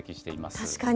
確かに。